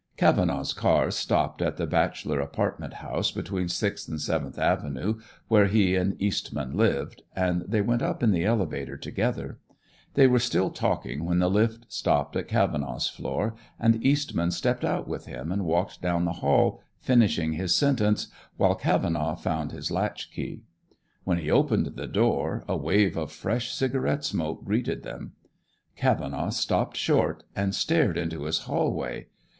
Cavenaugh's car stopped at the bachelor apartment house between Sixth and Seventh Avenues where he and Eastman lived, and they went up in the elevator together. They were still talking when the lift stopped at Cavenaugh's floor, and Eastman stepped out with him and walked down the hall, finishing his sentence while Cavenaugh found his latch key. When he opened the door, a wave of fresh cigarette smoke greeted them. Cavenaugh stopped short and stared into his hallway.